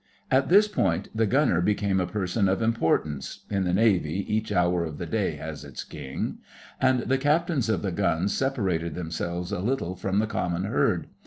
At this point the gunner became a person of importance (in the Navy each hour of the day has its king), and the captains of the guns separated themselves a little from the common herd.